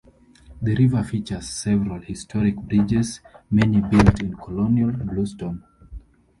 The river features several historic bridges, many built in colonial bluestone.